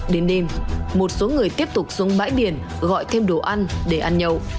đến đêm một số người tiếp tục xuống bãi biển gọi thêm đồ ăn để ăn nhậu